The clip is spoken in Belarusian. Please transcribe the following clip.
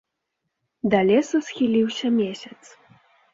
Да лесу схіліўся месяц.